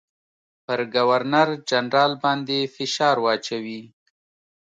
پر ګورنرجنرال باندي فشار واچوي.